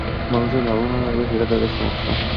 মানুষের ভালো না লাগলে যা, সেটা তদের সমস্যা।